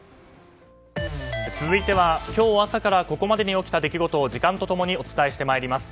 続いては今日朝からここまでに起きた出来事を時間と共にお伝えしてまいります。